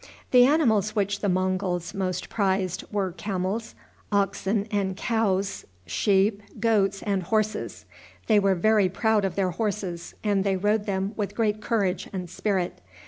The animals which the Monguls most prized were camels, oxen and cows, sheep, goats, and horses. They were very proud of their horses, and they rode them with great courage and spirit.